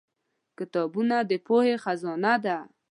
کتابونه د پوهې خزانه ده.